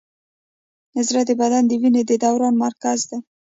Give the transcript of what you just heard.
زړه د بدن د وینې د دوران مرکز دی.